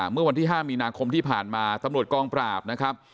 เมื่อวันที่๕มีนาคมที่ผ่านมาตำรวจกองปราบนะครับ